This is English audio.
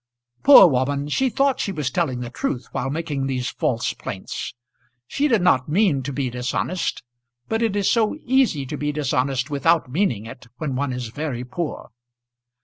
Poor woman! she thought she was telling the truth while making these false plaints. She did not mean to be dishonest, but it is so easy to be dishonest without meaning it when one is very poor!